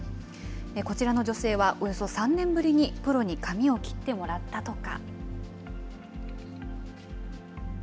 こちらの女性はおよそ３年ぶりに、プロに髪を切ってもらったとか。